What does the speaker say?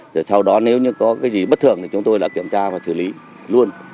sau đó nếu như có cái gì bất thường thì chúng tôi lại kiểm tra và xử lý luôn